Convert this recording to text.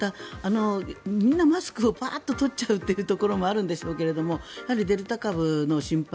みんなマスクをバーッと取っちゃうというところがあるんでしょうけれどもデルタ株の心配。